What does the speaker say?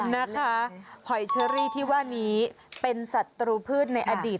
นะคะหอยเชอรี่ที่ว่านี้เป็นศัตรูพืชในอดีต